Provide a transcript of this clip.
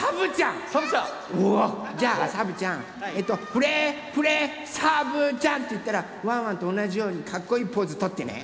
「フレフレさぶちゃん」っていったらワンワンとおなじようにかっこいいポーズとってね。